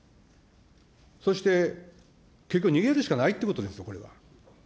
そして結局逃げるしかないということですよ、これは。